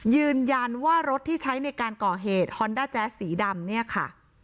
ยืนยันว่ารถที่ใช้ในการก่อเหตุฮอนด้าแจ๊สสีดำเนี่ยค่ะ